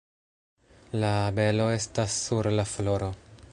La abelo estas sur la floro